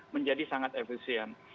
menjadi sangat efisien